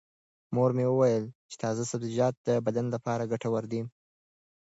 مور مې وویل چې تازه سبزیجات د بدن لپاره ګټور دي.